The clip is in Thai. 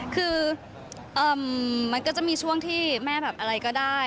คือมันก็จะมีช่วงที่แม่แบบอะไรก็ได้